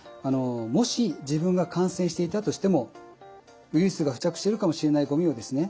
もし自分が感染していたとしてもウイルスが付着しているかもしれないゴミをですね